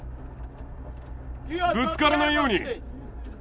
ぶつからないように。